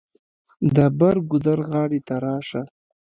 د بر ګودر غاړې ته راشه.